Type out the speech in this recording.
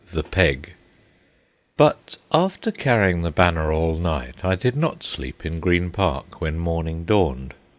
THE PEG But, after carrying the banner all night, I did not sleep in Green Park when morning dawned.